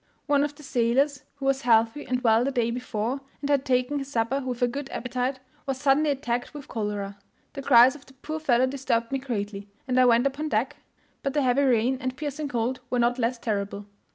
One of the sailors, who was healthy and well the day before, and had taken his supper with a good appetite, was suddenly attacked with cholera. The cries of the poor fellow disturbed me greatly, and I went upon deck, but the heavy rain and piercing cold were not less terrible.